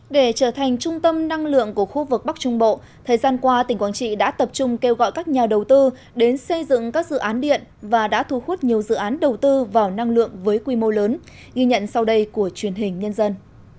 để trở thành trung tâm năng lượng của khu vực bắc trung bộ thời gian qua tỉnh quảng trị đã tập trung kêu gọi các nhà đầu tư đến xây dựng các dự án điện và đã thu hút nhiều dự án đầu tư vào năng lượng với quy mô lớn ghi nhận sau đây của truyền hình nhân dân